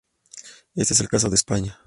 Ese es el caso de España.